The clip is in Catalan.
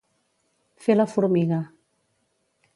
Fer la formiga.